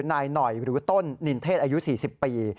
นายหน่อยหรือต้นนินเทศอายุ๔๐ปี